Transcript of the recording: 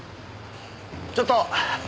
ちょっと！